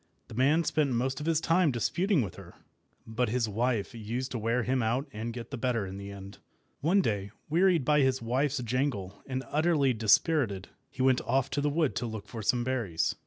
The man spent most of his time disputing with her; but his wife used to wear him out and get the better in the end. One day, wearied by his wife's jangle, and utterly dispirited, he went off to the wood to look for some berries.